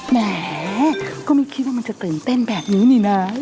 แหมก็ไม่คิดว่ามันจะตื่นเต้นแบบนี้นี่นะ